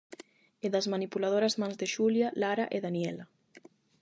E das manipuladoras mans de Xulia, Lara e Daniela.